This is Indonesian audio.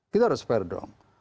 kita harus fair dong